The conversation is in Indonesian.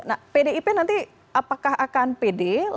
nah pdip nanti apakah akan pd lebih memilih